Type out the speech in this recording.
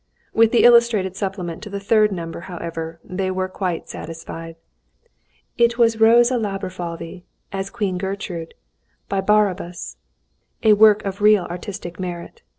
With the illustrated supplement to the third number, however, they were quite satisfied. It was Rosa Laborfalvy as Queen Gertrude, by Barabás, a work of real artistic merit.